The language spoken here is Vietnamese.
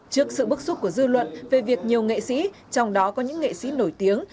trước sự bức xúc của dư luận về việc nhiều nghệ sĩ trong đó có những nghệ sĩ nổi tiếng